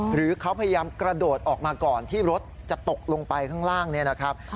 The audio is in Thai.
หรือเขาพยายามกระโดดออกมาก่อนที่รถจะตกลงไปข้างล่างเนี่ยนะครับ